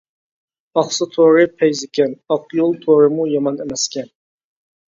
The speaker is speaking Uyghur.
ئاقسۇ تورى پەيزىكەن، ئاقيول تورىمۇ يامان ئەمەسكەن.